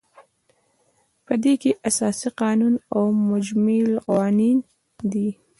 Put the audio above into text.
په دې کې اساسي قانون او مجمع القوانین دي.